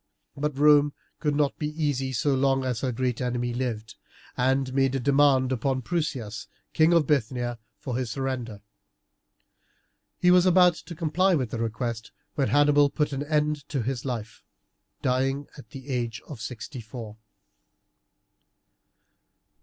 But Rome could not be easy so long as her great enemy lived, and made a demand upon Prusias, King of Bithynia, for his surrender. He was about to comply with the request when Hannibal put an end to his life, dying at the age of sixty four.